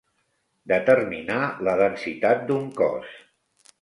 Determinar la densitat d'un cos.